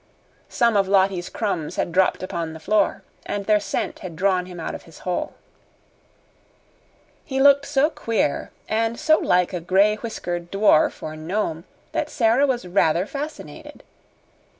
Some of Lottie's crumbs had dropped upon the floor and their scent had drawn him out of his hole. He looked so queer and so like a gray whiskered dwarf or gnome that Sara was rather fascinated.